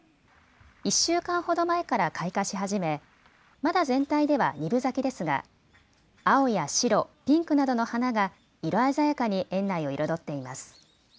１週間ほど前から開花し始めまだ全体では２分咲きですが青や白、ピンクなどの花が色鮮やかに園内を彩っています。